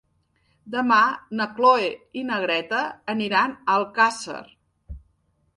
Demà na Cloè i na Greta aniran a Alcàsser.